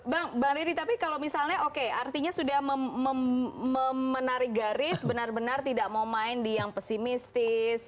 bang bang riri tapi kalau misalnya oke artinya sudah menarik garis benar benar tidak mau main di yang pesimistis